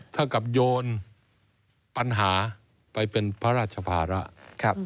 เท่ากับโยนปัญหาไปเป็นพระราชภาระ